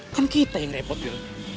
kan kita yang repot will